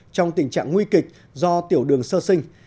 trong tình trạng nguy kịch do tiểu đường sơ sinh